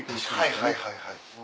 はいはいはいはい。